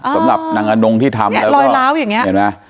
สำหรับนางอนงที่ทำแล้วก็เนี้ยรอยร้าวอย่างเงี้ยเห็นไหมอ่ะ